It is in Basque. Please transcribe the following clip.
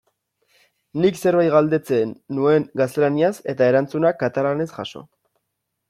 Nik zerbait galdetzen nuen gaztelaniaz eta erantzuna katalanez jaso.